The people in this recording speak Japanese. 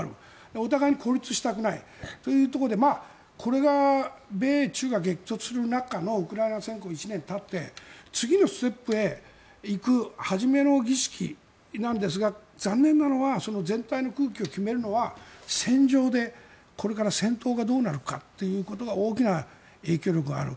お互いに孤立したくないというところでこれが米中が激突する中のウクライナ戦争の、１年たって次のステップへ行く初めの儀式なんですが残念なのはその全体の空気を決めるのは戦場でこれから戦闘がどうなるかということが大きな影響力がある。